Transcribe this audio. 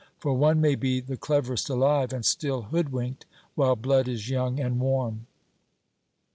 For one may be the cleverest alive, and still hoodwinked while blood is young and warm.